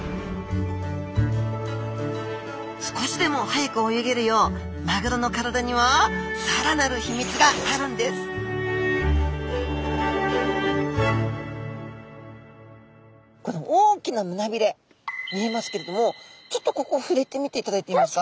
少しでも速く泳げるようマグロの体には更なる秘密があるんです大きな胸びれ見えますけれどもちょっとここ触れてみていただいてもいいですか。